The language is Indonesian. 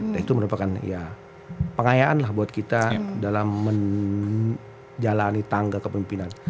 dan itu merupakan ya pengayaan lah buat kita dalam menjalani tangga kepimpinan